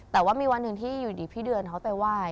แต่ว่ามีวันหนึ่งที่อยู่ดีพี่เดือนเขาไปไหว้